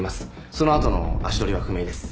その後の足取りは不明です。